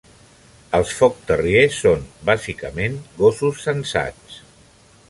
Els Fox terrier són, bàsicament, gossos sensats.